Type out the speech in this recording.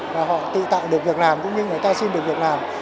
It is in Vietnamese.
và họ tự tạo được việc làm cũng như người ta xin được việc làm